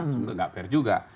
itu nggak fair juga